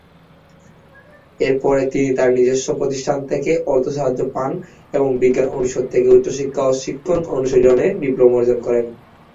এর পরে তিনি তার নিজস্ব প্রতিষ্ঠান থেকে অর্থসাহায্য পান এবং বিজ্ঞান অনুষদ থেকে উচ্চশিক্ষা ও শিক্ষণ অনুশীলনে ডিপ্লোমা অর্জন করেন।